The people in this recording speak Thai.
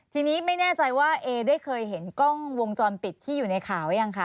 ทีนี้ไม่แน่ใจว่าเอได้เคยเห็นกล้องวงจรปิดที่อยู่ในข่าวหรือยังคะ